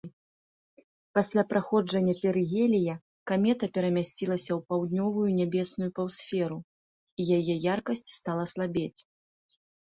Пасля праходжання перыгелія камета перамясцілася ў паўднёвую нябесную паўсферу, і яе яркасць стала слабець.